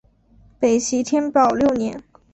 北齐天保六年。